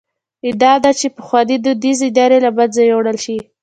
ادعا ده چې پخوانۍ دودیزې ادارې له منځه یووړل شي.